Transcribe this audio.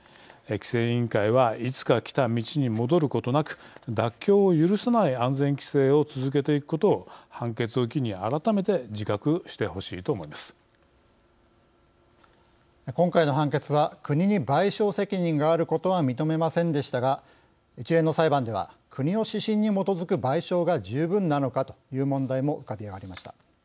規制委員会はいつか来た道に戻ることなく妥協を許さない安全規制を続けていくことを判決を機に今回の判決は国に賠償責任があることは認めませんでしたが一連の裁判では国の指針に基づく賠償が十分なのかという問題も浮かび上がりました。